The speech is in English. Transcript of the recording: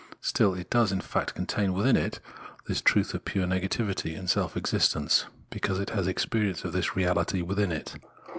Still, it does in fact contain within itself this truth of pure negativity and self existence, because it has experienced this reahty within it.